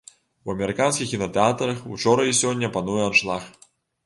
У амерыканскіх кінатэатрах учора і сёння пануе аншлаг.